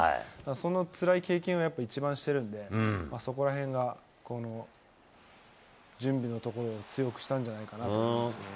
そのつらい経験をやっぱり一番してるんで、そこらへんが、準備のところを強くしたんじゃないかなと思いますけどもね。